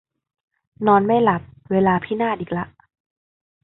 นอนไม่หลับ เวลาพินาศอีกละ